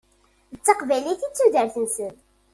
D taqbaylit i d tudert-nsen.